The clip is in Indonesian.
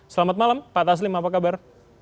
selamat malam pak taslim apa kabar